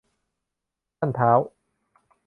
ท่านท้าว